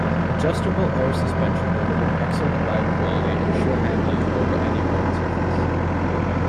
Adjustable air suspension delivered excellent ride quality and sure handling over any road surface.